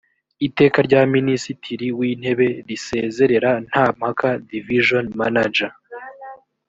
iteka rya minisitiri w intebe risezerera nta mpaka division manager